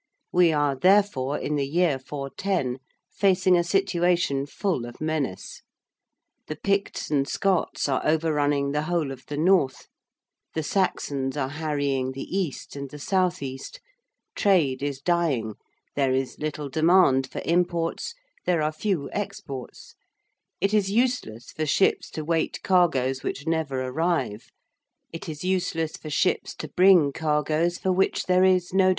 We are, therefore, in the year 410, facing a situation full of menace. The Picts and Scots are overrunning the whole of the north, the Saxons are harrying the east and the south east, trade is dying, there is little demand for imports, there are few exports, it is useless for ships to wait cargoes which never arrive, it is useless for ships to bring cargoes for which there is no demand.